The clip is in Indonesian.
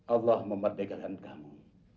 allah memerdekakan kamu